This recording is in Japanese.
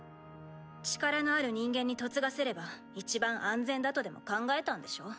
力のある人間に嫁がせればいちばん安全だとでも考えたんでしょ。